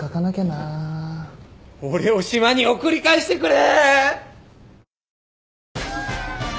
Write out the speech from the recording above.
俺を島に送り返してくれ！